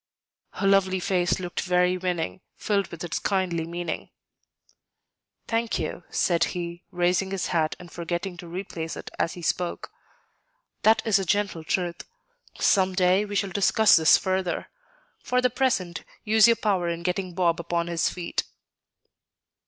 Her lovely face looked very winning, filled with its kindly meaning. "Thank you," said he, raising his hat and forgetting to replace it as he spoke; "that is a gentle truth; some day we shall discuss this further. For the present, use your power in getting Bob upon his feet."